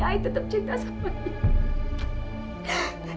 ay tetep cinta sama you